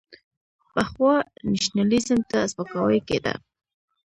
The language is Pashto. پخوا نېشنلېزم ته سپکاوی کېده.